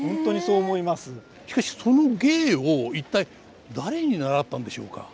しかしその芸を一体誰に習ったんでしょうか？